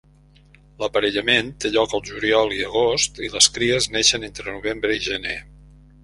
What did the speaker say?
L'aparellament té lloc al juliol i agost i les cries neixen entre novembre i gener.